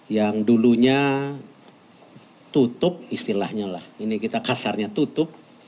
yang dulunya tutup istilahnya lah ini kita kasarnya tutup